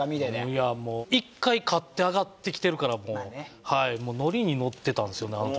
いやもう１回勝って上がってきてるからもうノリにノッてたんですよね